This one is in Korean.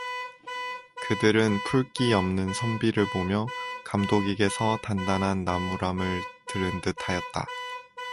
그들은 풀기 없는 선비를 보며 감독에게서 단단한 나무람을 들은 듯하였다.